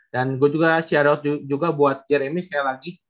dan gua juga share out juga buat jeremy sekali lagi